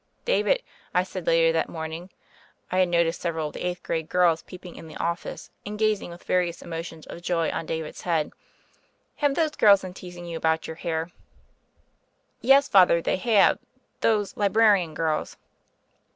"David," I said later that morning — I had noticed several of the eighth grade girls peep ing in the office and gazing with various emo tions of joy on David's head — "have those girls been teasing you about your hair?" "Yes, Father, they have — those librarian girls."